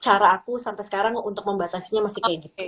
cara aku sampai sekarang untuk membatasinya masih kayak gitu